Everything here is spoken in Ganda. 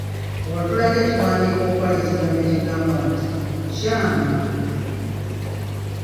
Bwe watulaga ekiwandiiko okwali ekigambo ekigamba nti “KYAMA”.